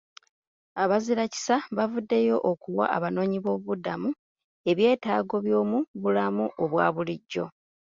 Abazirakisa bavuddeyo okuwa abanoonyiboobubudamu ebyetaago by'omu bulamu obwa bulijjo.